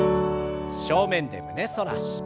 正面で胸反らし。